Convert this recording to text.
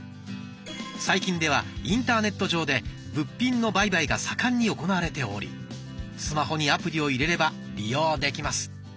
最近ではインターネット上で物品の売買が盛んに行われておりスマホにアプリを入れれば利用できます。